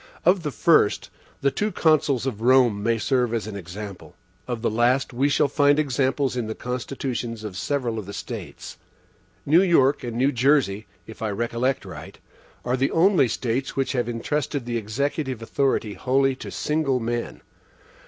Of the first, the two Consuls of Rome may serve as an example; of the last, we shall find examples in the constitutions of several of the States. New York and New Jersey, if I recollect right, are the only States which have intrusted the executive authority wholly to single men.